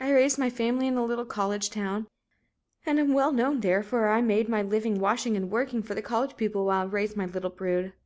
"I raised my family in a little college town in and am well known there, for I made my living washing and working for the college people while I raised my little brood.